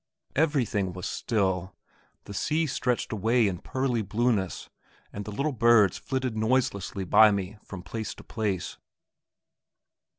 Everything was still. The sea stretched away in pearly blueness, and little birds flitted noiselessly by me from place to place.